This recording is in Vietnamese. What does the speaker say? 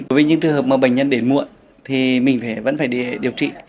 đối với những trường hợp mà bệnh nhân đến muộn thì mình vẫn phải điều trị